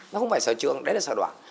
nó không phải sở trường đấy là sở đoạn